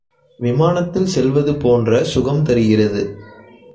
விமானத்தில் செல்வது போன்ற சுகம் தருகிறது.